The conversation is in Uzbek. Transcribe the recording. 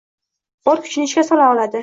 bor kuchini ishga sola oladi.